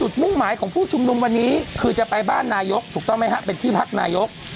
ทางกลุ่มมวลชนทะลุฟ้าทางกลุ่มมวลชนทะลุฟ้า